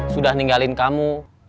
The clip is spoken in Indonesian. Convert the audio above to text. sudah ninggalin kamu